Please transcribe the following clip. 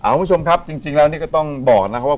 คุณผู้ชมครับจริงแล้วนี่ก็ต้องบอกนะครับว่า